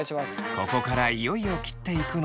ここからいよいよ切っていくのですが。